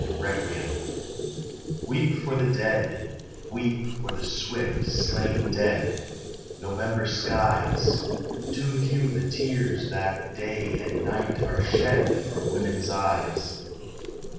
REQUIEM Weep for the dead; weep for the swift slain dead, November skies; Too few the tears that day and night are shed From women's eyes.